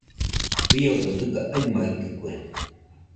Fiodo dɨga aɨmaitɨkue.